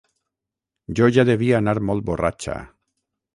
Jo ja devia anar molt borratxa.